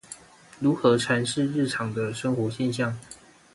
如何闡釋日常的生活現象